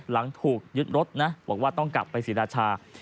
หลังถูกยึดรถนะต้องกลับไปศิราชา